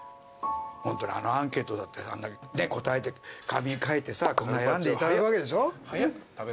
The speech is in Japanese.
ホントにあのアンケートだって答えて紙書いてさ選んでいただくわけでしょ？